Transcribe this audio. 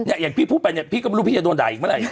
อย่างพี่พูดไปเนี่ยพี่ก็ไม่รู้พี่จะโดนด่าอีกเมื่อไหร่